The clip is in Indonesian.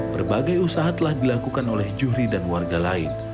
berbagai usaha telah dilakukan oleh juhri dan warga lain